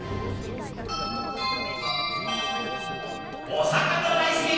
お魚大好き！